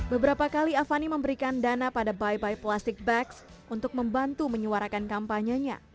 beberapa kali avani memberikan dana pada buy buy plastic bags untuk membantu menyuarakan kampanyenya